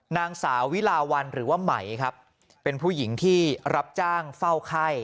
นางสาววิลาวันหรือว่าไหมครับเป็นผู้หญิงที่รับจ้างเฝ้าไข้